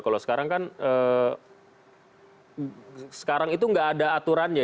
kalau sekarang kan sekarang itu nggak ada aturannya